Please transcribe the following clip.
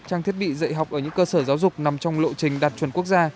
trang thiết bị dạy học ở những cơ sở giáo dục nằm trong lộ trình đạt chuẩn quốc gia